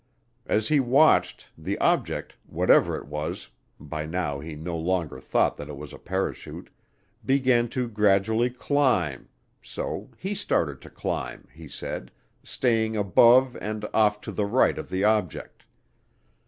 As he watched, the object, whatever it was (by now he no longer thought that it was a parachute), began to gradually climb, so he started to climb, he said, staying above and off to the right of the object.